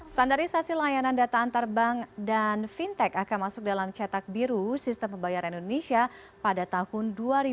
standarisasi layanan data antar bank dan fintech akan masuk dalam cetak biru sistem pembayaran indonesia pada tahun dua ribu dua puluh